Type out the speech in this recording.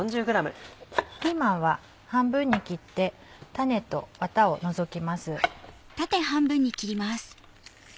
ピーマンは半分に切って種とワタを除きます。